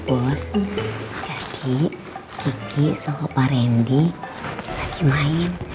bos jadi kiki sama pak randy lagi main